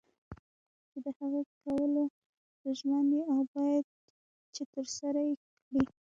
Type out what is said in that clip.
چې د هغه کولو ته ژمن یې او باید چې ترسره یې کړې.